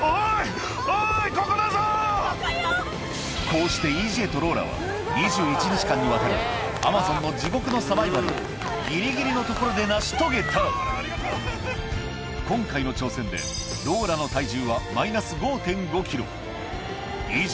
こうしてＥＪとローラは２１日間にわたりアマゾンの地獄のサバイバルをギリギリのところで成し遂げた今回の挑戦でなんと本当に。